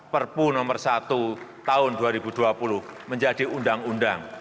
perpu nomor satu tahun dua ribu dua puluh menjadi undang undang